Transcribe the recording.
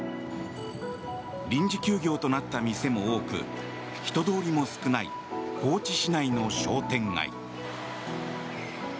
臨時休業となった店も多く人通りも少ない高知市内の商店街。